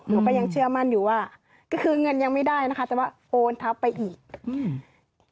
หนูก็ยังเชื่อมั่นอยู่ว่าก็คือเงินยังไม่ได้นะคะแต่ว่าโอนทัพไปอีกอืม